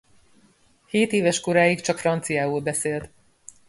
Hétéves koráig csak franciául beszélt.